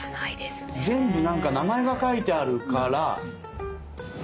全部なんか名前が書いてあるから。